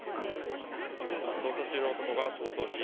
捜査中の男が逃走し、